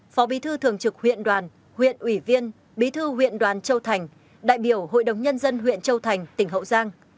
phó bí thư thường trực huyện đoàn huyện ủy viên bí thư huyện đoàn châu thành đại biểu hội đồng nhân dân huyện châu thành tỉnh hậu giang